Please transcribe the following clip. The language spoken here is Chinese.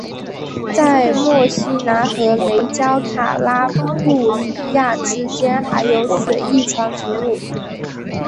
在墨西拿和雷焦卡拉布里亚之间还有水翼船服务。